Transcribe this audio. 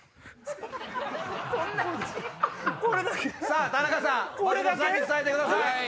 さぁ田中さん松本さんに伝えてください。